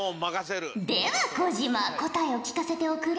では小島答えを聞かせておくれ。